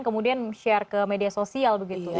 kemudian share ke media sosial begitu ya